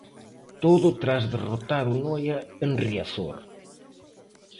Todo tras derrotar o Noia en Riazor.